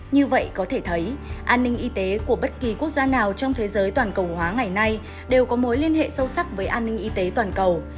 như vậy có thể thấy an ninh y tế của bất kỳ quốc gia nào trong thế giới toàn cầu hóa ngày nay đều có mối liên hệ sâu sắc với an ninh y tế toàn cầu